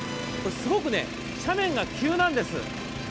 すごく斜面が急なんです。